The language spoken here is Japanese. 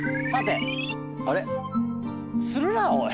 あれっ？するなおい！